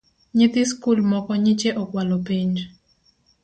Nyithi skul moko nyiche okwalo penj